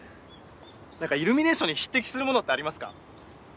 何かイルミネーションに匹敵するものってありますか？